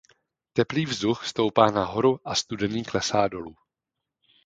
Teplý vzduch stoupá nahoru a studený klesá dolů.